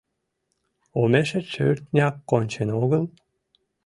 — Омешет шӧртняк кончен огыл?